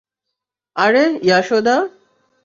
আরে, ইয়াশোদা?